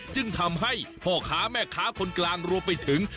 จึงทำให้พ่อค้าแม่ค้าคนกลางรวมไปถึง